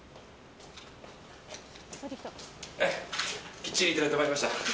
きっちりいただいてまいりました。